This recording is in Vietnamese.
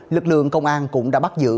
lực lượng công an cũng đã bắt giữ